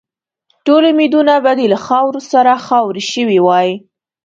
ټول امیدونه به دې له خاورو سره خاوري شوي وای.